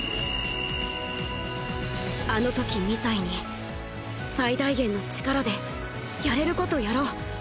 あの時みたいに最大限の力でやれる事やろう。